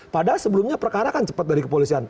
padahal sebelumnya perkara kan cepat dari kepolisian